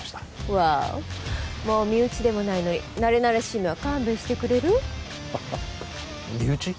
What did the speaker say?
ワーオもう身内でもないのになれなれしいのは勘弁してくれる身内？